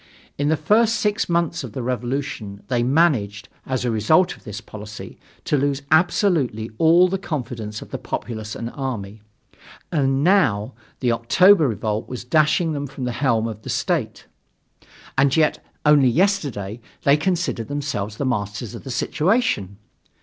In the first six months of the revolution they managed, as a result of this policy, to lose absolutely all the confidence of the populace and army; and now, the October revolt was dashing them from the helm of the state. And yet, only yesterday they considered themselves the masters of the situation.